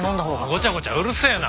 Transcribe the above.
ごちゃごちゃうるせえな。